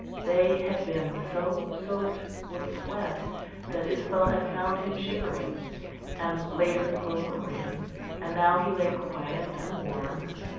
They had been so soaked with sweat, that Isabel had found him shivering, and laid her cloak over him, and now he lay quiet and warm.